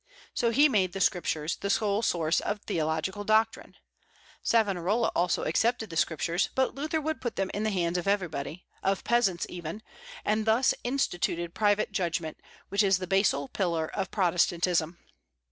So he made the Scriptures the sole source of theological doctrine. Savonarola also accepted the Scriptures, but Luther would put them in the hands of everybody, of peasants even, and thus instituted private judgment, which is the basal pillar of Protestantism.